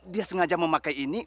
dia sengaja memakai ini